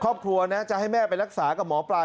ครอบครัวนะจะให้แม่ไปรักษากับหมอปลาย